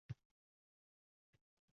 deb javob berdi